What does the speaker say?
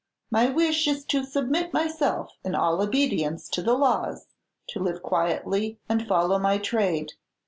My wish is to submit myself in all obedience to the laws; to live quietly and follow my trade.